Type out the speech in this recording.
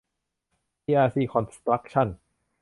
ทีอาร์ซี คอนสตรัคชั่น